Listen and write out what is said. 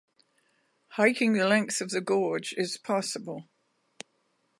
Hiking the length of the gorge is possible.